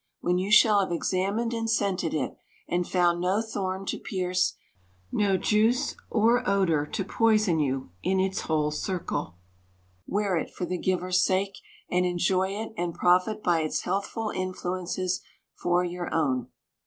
When you shall have examined and scented it, and found no thorn to pierce no juice or odor to poison you in its whole circle, wear it for the giver's sake; and enjoy it and profit by its healthful influences, for your own.